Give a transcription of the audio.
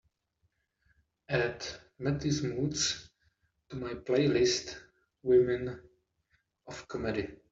Add Mathis Mootz to my playlist women of comedy